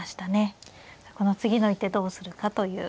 この次の一手どうするかという。